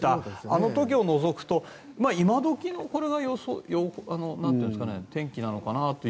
あの時を除くと今どきの天気なのかなと。